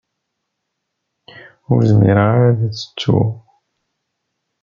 Ur zmireɣ ara ad tt-ttuɣ.